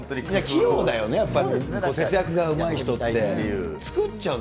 器用だよね、やっぱり節約がうまい人って。